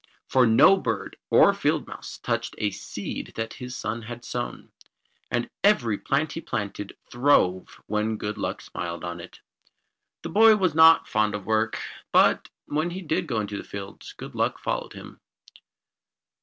For no bird or field mouse touched a seed that his son had sown, and every plant he planted throve when Good Luck smiled on it. The boy was not fond of work, but when he did go into the fields, Good Luck followed him.